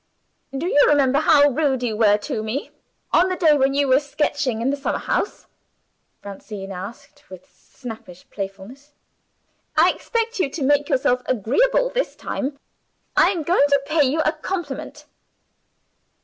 "Do you remember how rude you were to me, on the day when you were sketching in the summer house?" Francine asked with snappish playfulness. "I expect you to make yourself agreeable this time I am going to pay you a compliment."